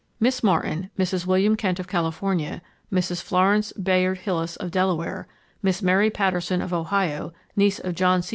Miss Martin, Mrs. William Kent of California, Mrs. Florence Bayard Hilles of Delaware, Miss Mary Patterson of Ohio, niece of John C.